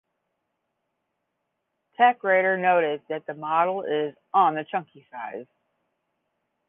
Techradar noted that the model is "on the chunky size".